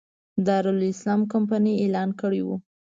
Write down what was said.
دارالسلام کمپنۍ اعلان کړی و.